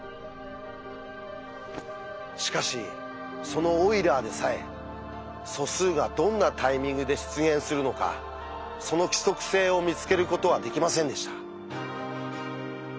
しかしそのオイラーでさえ素数がどんなタイミングで出現するのかその規則性を見つけることはできませんでした。